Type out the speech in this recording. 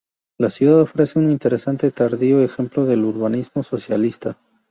La ciudad ofrece un interesante y tardío ejemplo de urbanismo socialista.